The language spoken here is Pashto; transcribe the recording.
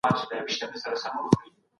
نو ډاډه اوسئ او کار وکړئ.